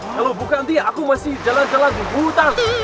terbukti semuanya jadi keempat